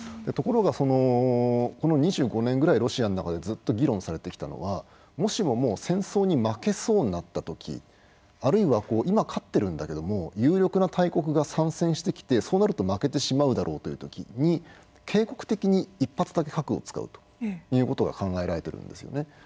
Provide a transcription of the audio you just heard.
ところがそのこの２５年ぐらいロシアの中でずっと議論されてきたのはもしも戦争に負けそうになったときあるいは今勝ってるんだけども有力な大国が参戦してきてそうなると負けてしまうだろうというときに警告的に１発だけ核を使うということが考えられてるんですよね。